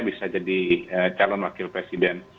bisa jadi calon wakil presiden